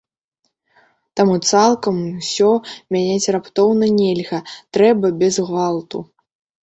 Таму цалкам усё мяняць раптоўна нельга, трэба без гвалту.